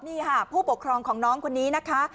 นี่ค่ะผู้ปกครองของน้องคนนี้นะคะ